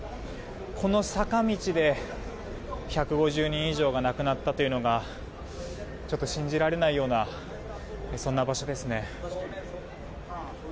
この坂道で１５０人以上が亡くなったというのがちょっと信じられないようなそんな場所ですね。